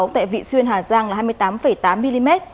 tại vị xuyên hà giang là hai mươi tám tám mm